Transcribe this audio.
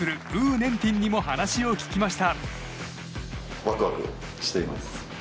・ネンティンにも話を聞きました。